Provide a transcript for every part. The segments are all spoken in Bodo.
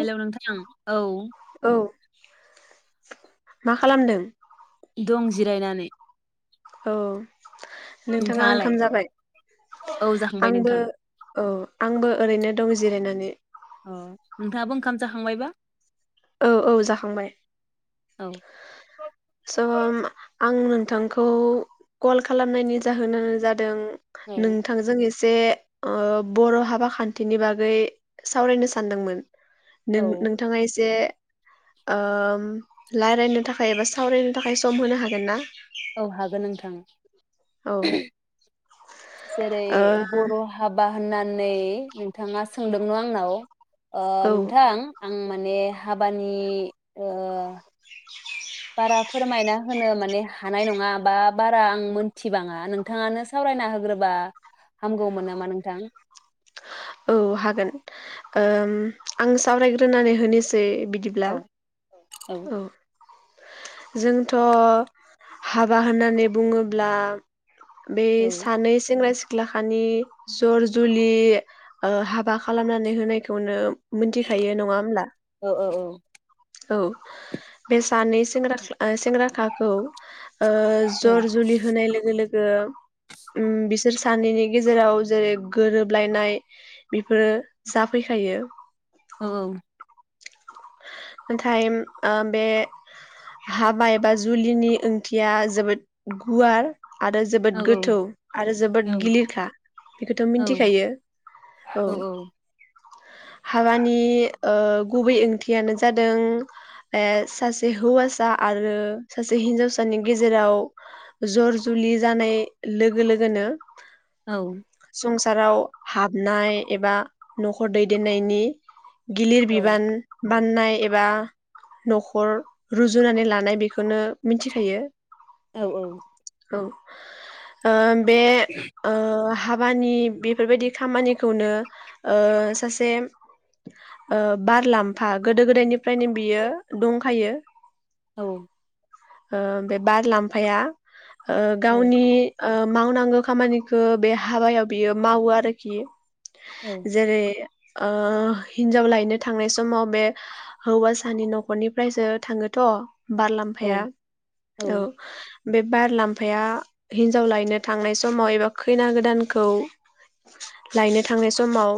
हेलौ नोंथां औ औ मा खालामदों दं जिरायनानै औ नोंथाङा नोंथाङालाय ओंखाम जाबाय औ जाखांबाय आंबो नोंथां औ आंबो ओरैनो दं जिरायनानै अ नोंथाङाबो ओंखाम जाखांबायबा औ औ जाखांबाय औ थांखौ कल खालामनायनि जाहोनानो जादों औ नोंथांजों एस जे ओ बर' हाबा खान्थिनि बागै सावरायनो सानदोंमोन नों नोंथाङा एसे ओम लायरायनो थाखाय एबा सावरायनो थाखाय सम होनो हागोन ना औ हागोन नोंथां औ जेरै ओ बर' हाबा बा होननानै नोंथाङा सोंदों न आंनाव ओ औ नोंथां आं माने हाबानि ओ बारा फोरमायना होनो माने हानाय नङा बा बारा आं मोनथिबाङा नोंथाङानो सावरायना होग्रोबा हामगौमोन नामा नोंथां औ हागोन ओम आं सावरायग्रोनानै होनिस सै बिदिब्ला औ औ जोंथ' हाबा होननानै बुङोब्ला बे औ सानै सेंग्रा सि ख्लाखानि जर जुलि ओ हाबा खालामनानै होनायखौनो मोनथिखायो नङा होमब्ला ओ ओ औ औ बे सानै सेंग्रा सेंग्रााखाखौ ओ जर जुलि होनाय लोगो लोगो उम बिस बिसोर सानैनि गेजेराव जेरै गोरोबलायनाय बेफोरो जाफैखायो औ औ नाथाय ओ बे हाबा एबा जुलिनि ओंथिया जोबोद गुवार आरो औ जोबोद गोथौ आरो औ जोबोद गिलिरखा बेखौथ' औ मिथिखायो औ हाबानि ओ गुबै ओंथि थियानो जादों ओ सासे हौवासा आरो सासे हिन्जावसानि गेजेराव जर जुलि जानाय लोगो लोगोनो औ संसाराव हाब नाय एबा न'खर दैदेननायनि गिलिर औ बिबान बाननाय एबा न'खर रुजुनानै लानाय बेखौनो मिथिखायो औ औ औ ओम बे ओ हाब हाबानि बेफोर बायदि खामानिखौनो ओ सासे बारलाम फा गोदो गोदायनिफ्रायनो बियो दंखायो औ बे बारलामफाया ओ औ गावनि ओ मावनांगौ खामानिखौ बे हाबायाव बियो मावो आरोखि औ जेरै ओ हिनजाव लायनो थांनाय सम समाव बे हौवासानि न'खरनिफ्रायसो थाङो थ' बारलामफाया औ बे बारलामफाया हिनजाव लायनो थांनाय समाव एबा खैना गोदानखौ लायनो थांनाय समाव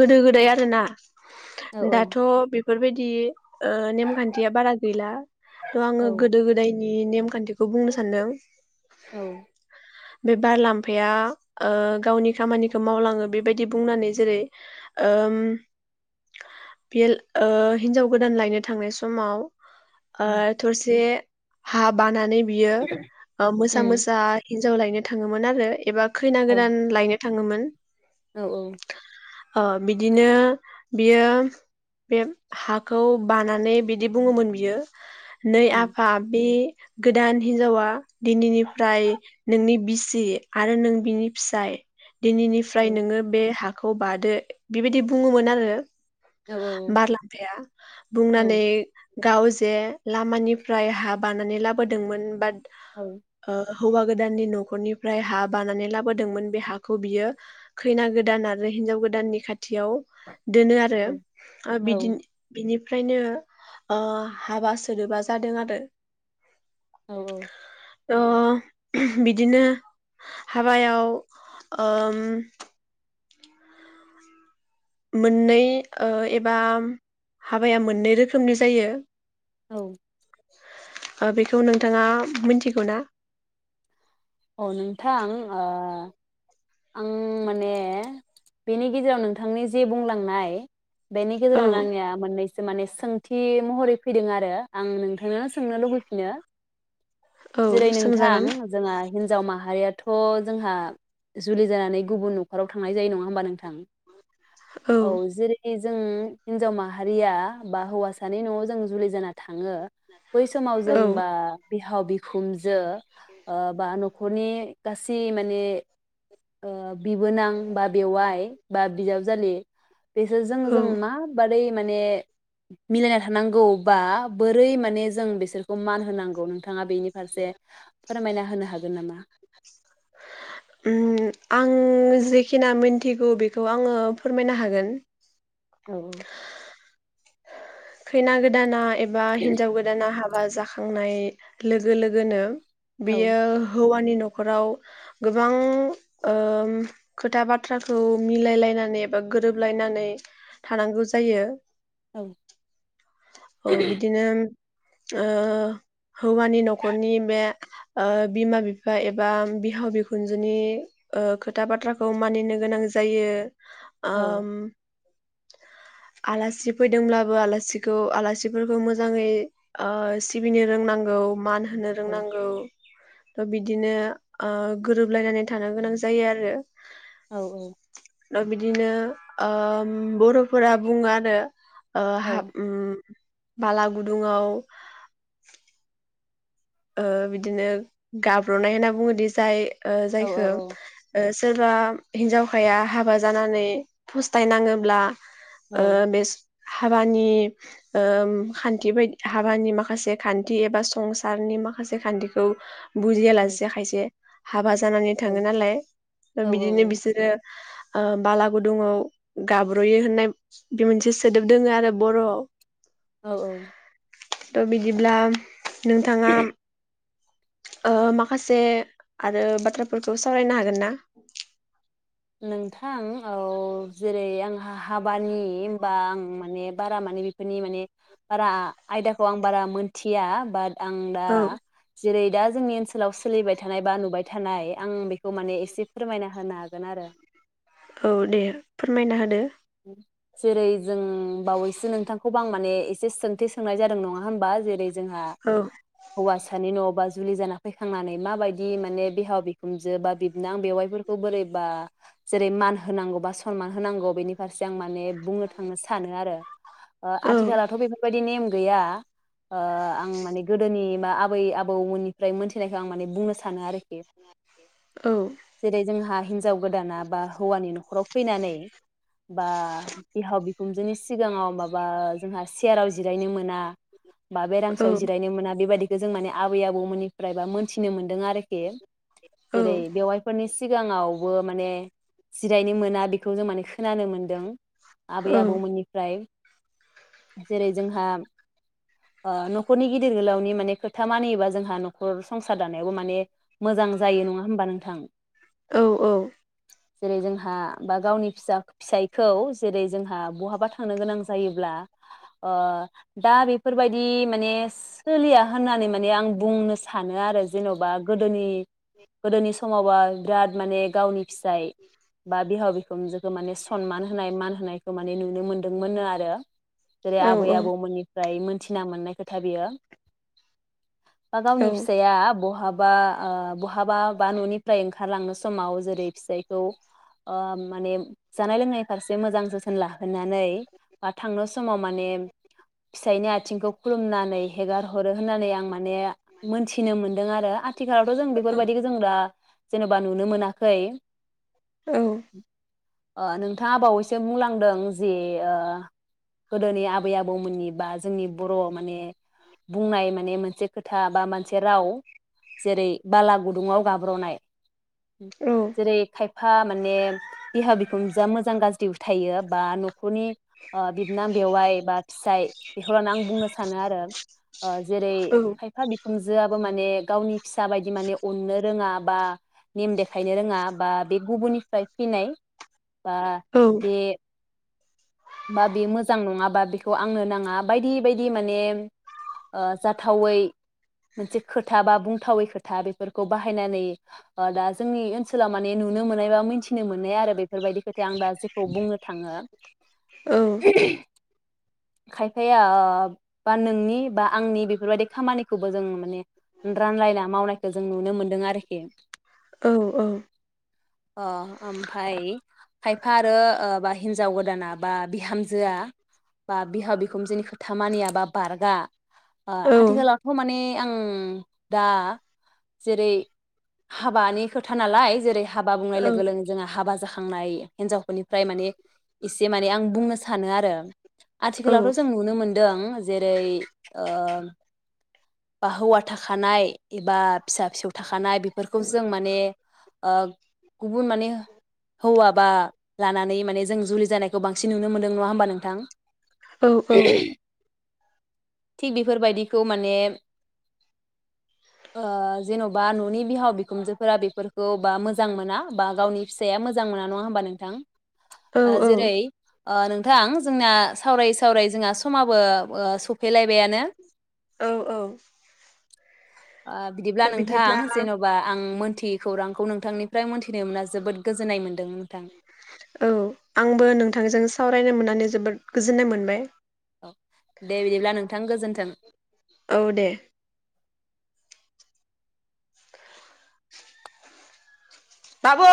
गोदो गोदाय आरोना औ दाथ' बेफ बेफोरबायदि ओ नेमखान्थिया बारा गैला थ' औ आङो गोदो गोदायनि नि नेमखान्थि खौ बुंनो सानदों उम बे बारलामफाया गावनि खामानिखौ मावलाङो बेबायदि बुंनानै जेरै ओम बेयो ओ हिनजाव गोदान लायनो थांनाय समाव ओ थरसे हा बानानै बियो ओ मोसा उम मोसा हिनजाव लायनो थाङोमोन आरो एबा खैना गोदान लायनो थाङोमोन औ औ अ बिदिनो बियो बे हाखौ बानानै बिदि बुङोमोन बियो नै औ आफा बे गोदान हिनजावा दिनैनिफ्राय नोंनि बिसि आरो नों बिनि फिसाय औ दिनैनिफ्राय नोङो बे हा हाखौ बादो बिबायदि बुङोमोन आरो औ बारलांफाया बुंनानै गाव जे लामानिफ्राय हा बानानै लाबोदोंमोन बा औ ओ हौवा गोदाननि न'खरनिफ्राय हा बानानै लाबोदोंमोन बे हाखौ बियो खैना गोदान आरो हिनजाव गोदाननि खाथि खाथियाव दोनो आरो बिदिनो बेनिफ्रायनो ओ हाबा सोदोबा जादों आरो औ औ ओ बिदिनो हाबायाव ओम मोननै ओ एबा हाबाया मोननै रोखोमनि जायो औ ओ बेखौ नोंथाङा मोनथिगौ ना औ नोंथां ओ आं माने बेनि गेजेराव नोंथांनि जे बुंलांनाय बेनि औ गेजेरावनो आंनिया मोननैसो से माने सोंथि महरै फैदों आरो आं नोंथांनो सोंनो लुबैफिनो औ जेरै नोंथां सोंजागोन जोंहा हिनजाव माहारियाथ' जोंहा जुलि जानानै गुबुन न'खराव थांनाय जायो नङा होमबा नोंथां औ जेरै जों हिनजाव माहारिया बा हौवासानि न'आव जों जुलि जाना थां थाङो बै समाव औ जोंबा बिहाव बि खुनजो जो ओ बा न खनि गासै माने ओ बिबोनां बा बेवाइ बा बिजाबजालि बेसोरजों औ जों मा बादै माने मिलायना थानांगौबा बोरै माने जों बिसोरखौ मान होनांगौ नोंथाङा बेनि फारसे फोरमायना होनो हागोन नामा ओम आं जेखिना मोनथिगौ बेखौ आङो फोरमायना हागोन औ खैना गोदाना एब बा हिनजाव गोदाना हाब बा जाखांनाय लोगो लोगोनो बियो औ हौवानि न' न'खराव गोबां ओम खोथा बाथ्राखौ मिलाय लायनानै एबा गोरोबलायनानै थानांगौ जायो औ औ बिदिनो ओ हौवानि न'खरनि बे ओ बिमा बिफा एबा बिहाव बिखुनजोनि ओ खोथा बाथ्राखौ मानिनो गोनां जायो आम औ आलासि फैदोंब्लाबो आला सिखौ आलासिफोरखौ मोजाङै आ सिबिनो रोंनांगौ मान होनो रोंनांगौ थ' बिदिनो आ गोरोबलायनानै थानो गोनां जायो आरो औ औ ल बिदिनो ओम बर'फोरा बुङो आरो ओ हाब उम बाला गुदुङाव ओ बिदिनो गाब्र'नाय होनना बुङोदि जाय ओ औ जायखो ओस सोरबा हिनजावखाया हाबा जानानै फस्थायनाङोब्ला ओ बेस हाबानि ओम खान्थि बायदि हाबानि माखासे खान्थि एबा संसा सारनि माखासे खान्थिखौ बुजिया लासेया खायसे हाबा जानानै थाङो नालाय दा औ बिदिनो बिसोरो ओ बालागुदुङाव गाब्र'यो होननाय बे मोनसे सोदोब दोङो आरो बर'आव औ द' बिदिब्ला नोंथाङा ओ माखासे आरो बाथ्राफोरखौ सावरायनो हागोन ना नोंथां औ जेरै आंहा हाबानि होनबा आं माने बारा माने बेफोरनि माने बारा आयदाखौ आं बारा मोनथिया बा आं दा औ जेरै दा जोंनि ओनसोलाव सोलिबाय थानाय बा नुबाय थानाय आं बे माने एसे फोरमायना होनो हागोन गोन आरो औ दे फोरमायना होदो जेरै जों बावैसो नोंथांखौबो आं माने एसे सोंथि सोंनाय जादों नङा होनबा जेरै जोंहा औ हौवासानि न'बा जुलि जाना फैखांनानै माबायदि माने बिहाव बिखुनजो बा बिबनां बेवाइफोरखौ बोरैबा जेरै मान होनांगौ बा सनमान होनांगौ बेनि फारसे आं माने बुंनो थांनो सानो आरो ओ औ आथिखालावथ' बेफोरबायदि नेम गैया ओ आं माने गोदोनि मा आबै आबौ बौ मोननि ओमफ्राय मोनथिनायखौ आं माने बुंनो सानो आरोखि औ जेरै जोंहा हिनजाव गोदाना बा हौवानि न'खराव फैनानै बा बिहाव बिखुनजोनि सिगाङाव माबा जोंहा सेयाराव जिरायनो मोना बा औ बेरांसियाव जिरायनो मोना बेबायदि जों माने आबै आबौ मोननि फ्रायबा मोनथिनो मोन्दों आरोखि औ जेरै बेवायफोरनि सिगाङाव बो माने जिरायनो मोना बेखौ जों माने खो खोनानो मोनदों आबेै औ आबौमोननिफ्राय जेरै जोंहा ओ न'खरनि गिदिर गोलावनि माने खोथा मानियोबा जोंहा न'खर संसार दानायावबो माने मोजां जायो नङा होमबा नोंथां औ जेरै जोंहा बा गावनि फिसा फिसायखौ जेरै जोंहा बहाबा थांनो गोनां जायोब्ला ओ दा बेफोरबायदि माने सोलिया होननानै माने आं बुंनो सानो आरो जेन'बा गोदोनि गोदोनि समावबा बिराद माने गावनि फिसाय बा बिहाव बिखुनजोखौ माने सनमान होनाय मान होनायखौ माने नुनो मोनदोंमोननो आरो जेरै आबै औ आबौमोननिफ्राय मोनथिना मोननाय खोथा बेयो बा गावनि औ फिसाया बहाब बा ओ बहाबा बा न'निफ्राय ओंखारलांनो समाव जेरै फिसायखौ ओ माने जानाय लोंनाय फारसे मोजां जोथोन लाहोनानै बा थांनो समाव माने फिसायनि आथिंखौ खुलुमना नै हेगार हरो होननानै आं माने मोनथिनो मोनदों आरो आथिखालावथ' जों औ बेफोरबायदिखौ जों दा जेनेबा नुनो मोनाखै औ [unintelligible] ओ नोंथाङा बावैसो बुंलांदों जि गोदोनि आबै आबौमोननि बा जोंनि बर' माने बुंनाय माने मोनसे खोथा बा मोनसे राव जेरै बाला गुदुङाव गाब्र'नाय जेरै खाय फा माने बिहाव बिख बिखुनजोया मोजां गाज्रि थायो बा न'खरनि बिबनां बेवाइ बा फिसाय बेखौ लानो आं बुंनो सानो आरो ओ जेरै औ खायफा बिखुनजोआबो माने गावनि फिसा बायदि माने अननो रोङा बा नेम देखायनो रोङा बा बे गुबुननिफ्राय फैनाय बा औ बे बा बे मोजां नङाबा बेखौ आंनो नाङा बायदि बायदि माने ओ जाथावै मोनसे खोथा बा बुंथावै खोथा बेफोरखौ बाहायनानै दा जोंनि ओनसोला माने नुनो मोननाय बा मिथिनो मोननाय आरो बे बेफोरबायदि खोथाया आं दा जेखौ बुंनो थाङो खायफाया बा नोंनि बा आंनि बेफोरबायदि खामानिखौबो जों माने रानलायना मावनायखौ जों नुनो मोनदों आरोखि औ औ अ ओमफाय खायफा आरो बा हिनजाव गोदाना बा बिहामजोआ बा बिहाव बिखुनजोनि खोथा मानिया बा बारगा ओ औ आथिखालावथ' माने आं दा जेरै हाबानि खोथा नालाय जेरै हाबा बुंनाय औ लोगो लोगोनो जोंहा हाबा जाखा थांनाय हिनजावफोरनिफ्राय माने इसे माने आं बुंनो सानो आरो आथिखालावथ' जों नुनो मोनदों जेरै ओ बा हौवा थाखानाय एबा फिसा फिसौ थाखानाय बेफोरखौ जों माने ओ गुबुन माने हौवा बा लानानै माने जों जुलि जानायखौ बांसिन नुनो मोनदों नङा होमबा नोंथां औ औ थिग बेफोरबायदिखौ माने ओ जेन'बा न'नि बिहाव बिखुनजोफोरा बेफोरखौ बा मोजां मोना बा गावनि फिस फिसाया मोजां मोना नङा होनोमबा नोंथां ओ जेरै ओ नोंथां जोंना सावरायै सावरायै जोंहा समाबो ओ सफैलायबायानो औ औ ओ बिदिब्ला नोंथां जेन'बा आं मोन मोनथियै खौरांखौ नोंथांनिफ्राय मोनथि फैनो मोनना जोबोद गोजोननाय मोनदों नोंथां औ आंबो नोंथांजों सावरायनो मोनना नानै जोबोद गोजोन्नाय मोनबाय औ दे बिदिब्ला नोंथां गोजोन्थों औ दे बाबु